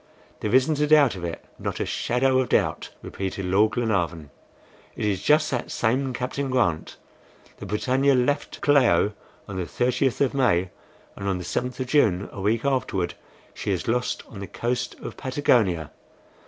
"There isn't a doubt of it, not a shadow of doubt," repeated Lord Glenarvan. "It is just that same Captain Grant. The BRITANNIA left Callao on the 30th of May, and on the 7th of June, a week afterward, she is lost on the coast of Patagonia.